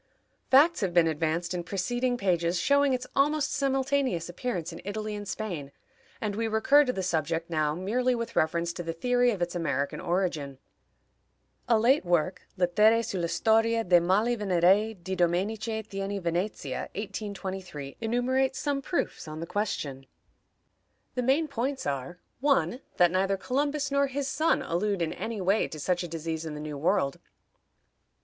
Facts have been advanced in preceding pages showing its almost simultaneous appearance in Italy and Spain, and we recur to the subject now merely with reference to the theory of its American origin. A late work, Lettere sulla Storia de Mali Venerei, di Domenice Thiene, Venezia, 1823, enumerates some proofs on the question. The main points are: 1. That neither Columbus nor his son allude, in any way, to such a disease in the New World.